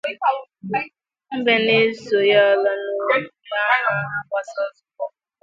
mbe na-eso ya ala n’ụlọ ya ma ha gbasaa nzukọ